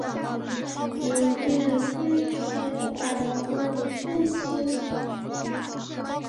曾连获三届国家新闻出版总署颁发的国家期刊奖。